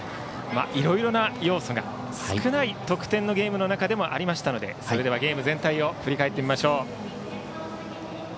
いろいろな要素が少ない得点のゲームの中でもありましたのでゲーム全体を振り返りましょう。